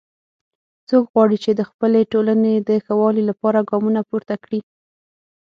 څوک غواړي چې د خپلې ټولنې د ښه والي لپاره ګامونه پورته کړي